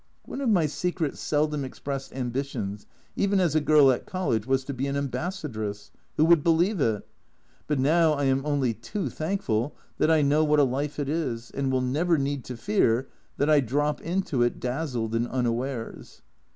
One of my secret seldom expressed ambitions, even as a girl at College, was to be an Ambassadress. Who would believe it? But now I am only too thankful that I know what a life it is, and will never need to fear that I drop into it dazzled and unawares.